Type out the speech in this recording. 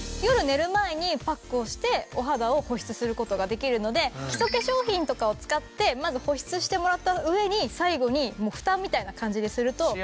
夜寝る前にパックをしてお肌を保湿する事ができるので基礎化粧品とかを使ってまず保湿してもらった上に最後にフタみたいな感じですると。